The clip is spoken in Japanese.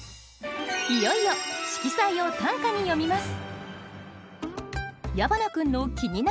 いよいよ色彩を短歌に詠みます。